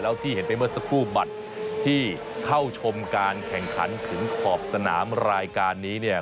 แล้วที่เห็นไปเมื่อสักครู่บัตรที่เข้าชมการแข่งขันถึงขอบสนามรายการนี้เนี่ย